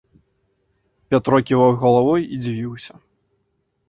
Пятро ківаў галавой і дзівіўся.